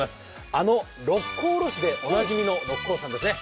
あの「六甲おろし」でおなじみの六甲山ですね。